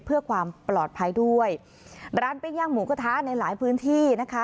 เพื่อความปลอดภัยด้วยร้านปิ้งย่างหมูกระทะในหลายพื้นที่นะคะ